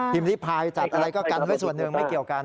พิพายจัดอะไรก็กันไว้ส่วนหนึ่งไม่เกี่ยวกัน